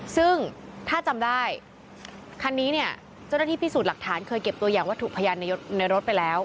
ซึ่งถ้าจำได้คันนี้เนี่ยเจ้าหน้าที่พิสูจน์หลักฐานเคยเก็บตัวอย่างวัตถุพยานในรถไปแล้ว